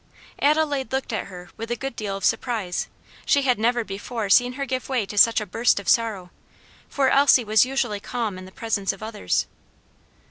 Adelaide looked at her with a good deal of surprise. She had never before seen her give way to such a burst of sorrow, for Elsie was usually calm in the presence of others.